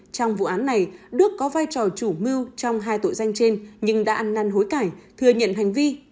trong vụ án này đức có vai trò chủ mưu trong hai tội danh trên nhưng đã ăn năn hối cải thừa nhận hành vi